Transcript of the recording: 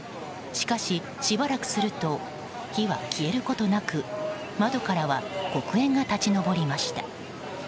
しかし、しばらくすると火は消えることなく窓からは黒煙が立ち上りました。